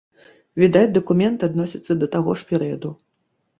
Відаць, дакумент адносіцца да таго ж перыяду.